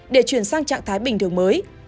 để chuyển sang trạng thái bình thường mới